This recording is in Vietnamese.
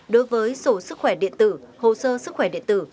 đối với sổ sức khỏe điện tử hồ sơ sức khỏe điện tử